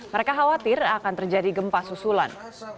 mereka khawatir akan terjadi gempa susulan